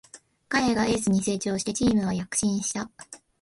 彼がエースに成長してチームは躍進した